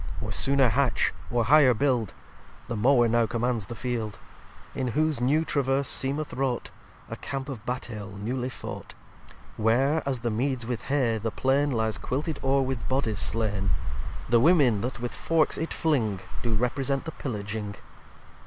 liii Or sooner hatch or higher build: The Mower now commands the Field; In whose new Traverse seemeth wrought A Camp of Battail newly fought: Where, as the Meads with Hay, the Plain Lyes quilted ore with Bodies slain: The Women that with forks it filing, Do represent the Pillaging.